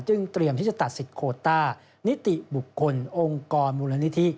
เตรียมที่จะตัดสิทธิโคต้านิติบุคคลองค์กรมูลนิธิ